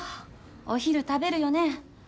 お昼食べるよね？